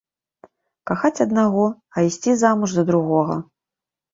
Кахаць аднаго, а ісці замуж за другога.